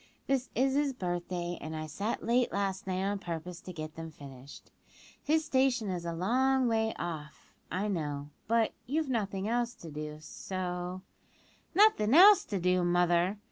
This is his birthday, and I sat late last night on purpose to get them finished. His station is a long way off, I know, but you've nothing else to do, so " "Nothin' else to do, mother!"